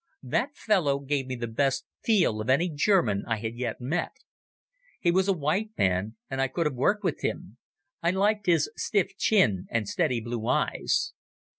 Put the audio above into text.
That fellow gave me the best "feel" of any German I had yet met. He was a white man and I could have worked with him. I liked his stiff chin and steady blue eyes.